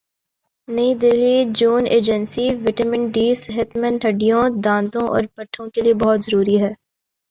نئی دہلی جون agency vitamin D صحت مند ہڈیوں دانتوں اور پٹھوں کے لئے بہت ضروری ہے